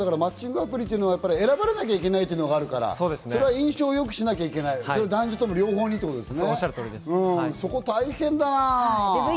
マッチングアプリというのは選ばれなきゃいけないっていうのがあるから、印象を良くしなきゃいけない、男女ともといいいうことですよね。